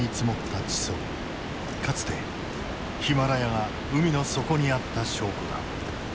かつてヒマラヤが海の底にあった証拠だ。